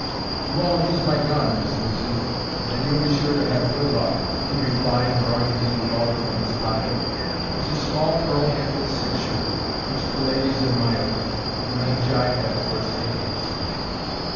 "You all use my gun, Miss Lucy, and then you'll be sure to have good luck," he replied, drawing his revolver from his pocket. It was a small pearl handled six shooter, which the ladies admired, and the men jibed at for its daintiness.